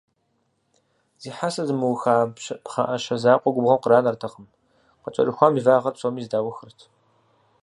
Зи хьэсэ зымыуха пхъэӀэщэ закъуэ губгъуэм къранэртэкъым, къыкӀэрыхуам и вагъэр псоми зэдаухырт.